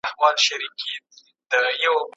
په مــــــــــــــا باندې چې کيږي ګزارونه نامعلوم دي